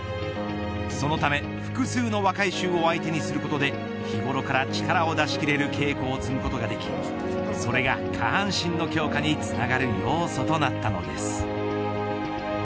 そのため複数の若い衆を相手にすることで日頃から力を出し切れる稽古を積むことができそれが下半身の強化につながる要素となったのです。